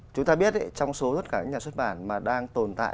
chúng ta biết trong số tất cả các nhà xuất bản mà đang tồn tại